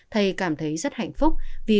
thầy cảm thấy rất hạnh phúc vì